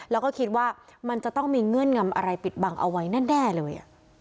แล้วก็คิดว่ามันจะต้องมีเงื่อนงำอะไรปิดบังเอาไว้แน่เลย